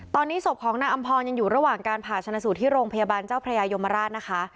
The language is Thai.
ตอนนี้ศพของนางอำพรยังอยู่ระหว่างการผ่าชนะสูตรที่โรงพยาบาลเจ้าพระยายมราชนะคะ